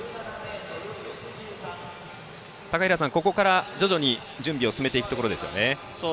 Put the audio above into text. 高平さん、ここから徐々に準備を進めていくところですね。